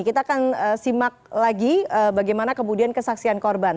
kita akan simak lagi bagaimana kemudian kesaksian korban